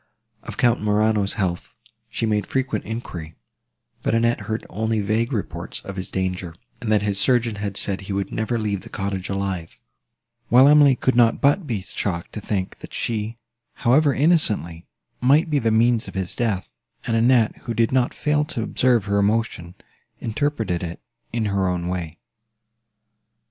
Of Count Morano's health she made frequent enquiry; but Annette heard only vague reports of his danger, and that his surgeon had said he would never leave the cottage alive; while Emily could not but be shocked to think, that she, however innocently, might be the means of his death; and Annette, who did not fail to observe her emotion, interpreted it in her own way.